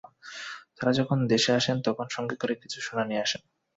তাঁরা যখন দেশে আসেন, তখন সঙ্গে করে কিছু সোনা নিয়ে আসেন।